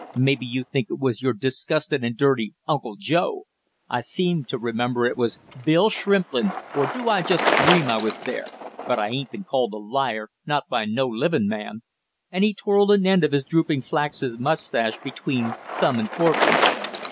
"Maybe you think it was your disgustin' and dirty Uncle Joe? I seem to remember it was Bill Shrimplin, or do I just dream I was there but I ain't been called a liar, not by no living man " and he twirled an end of his drooping flaxen mustache between thumb and forefinger.